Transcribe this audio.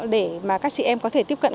để các chị em có thể tiếp cận